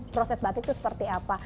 proses batik itu seperti apa